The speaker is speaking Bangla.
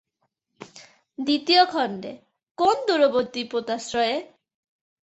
দ্বিতীয় খণ্ডে, কোন দূরবর্তী পোতাশ্রয়ে?